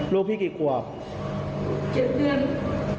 ลูกพี่กี่ขวบ๗เดือน